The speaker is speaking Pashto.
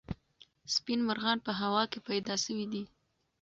سپین مرغان په هوا کې پیدا سوي دي.